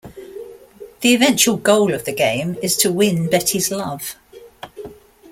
The eventual goal of the game is to win Betty's love.